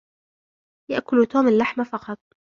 يأكل توم اللحم فقط.